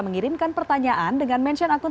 mengirimkan pertanyaan dengan mention akun